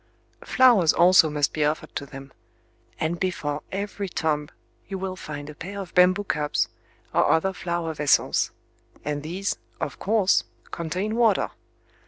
Flowers also must be offered to them; and before every tomb you will find a pair of bamboo cups, or other flower vessels; and these, of course, contain water.